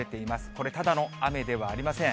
これ、ただの雨ではありません。